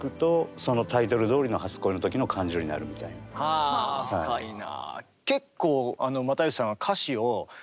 はあ深いな。